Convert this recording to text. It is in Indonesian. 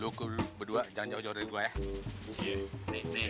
lu kedua jangan jauh jauh dari gue ya